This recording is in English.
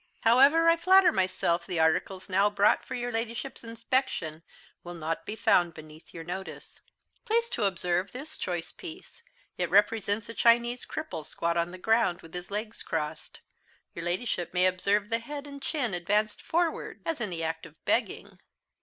However, I flatter myself the articles now brought for your Ladyship's inspection will not be found beneath your notice. Please to observe this choice piece it represents a Chinese cripple squat on the ground, with his legs crossed. Your Ladyship may observe the head and chin advanced forwards, as in the act of begging.